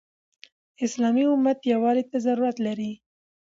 اسلامي امت يووالي ته ضرورت لري.